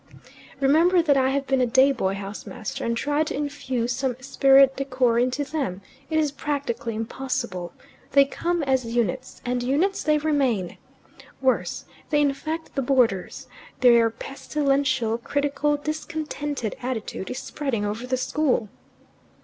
Remember that I have been a day boy house master, and tried to infuse some esprit de corps into them. It is practically impossible. They come as units, and units they remain. Worse. They infect the boarders. Their pestilential, critical, discontented attitude is spreading over the school.